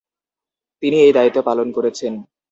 তিনি এই দায়িত্ব পালন করেছেন।